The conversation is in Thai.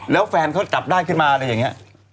แล้วแฟนเขาจับได้ขึ้นมาอะไรอย่างนี้